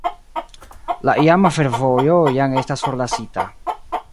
La iama fervojo jam estas forlasita.